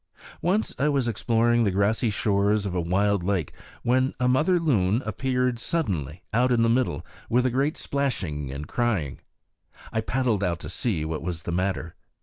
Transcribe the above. Once I was exploring the grassy shores of a wild lake when a mother loon appeared suddenly, out in the middle, with a great splashing and crying. I paddled out to see what was the matter.